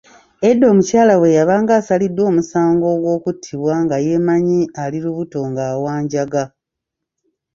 Edda omukyala bwe yabanga asaliddwa omusango ogw'okuttibwa nga yeemanyi ali lubuto ng'awanjaga.